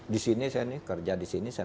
di sini saya kerja di sini saya